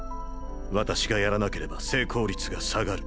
私がやらなければ成功率が下がる。